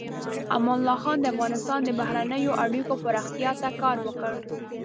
امان الله خان د افغانستان د بهرنیو اړیکو پراختیا ته کار وکړ.